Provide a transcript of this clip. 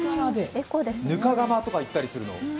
ぬか釜とか言ったりするの。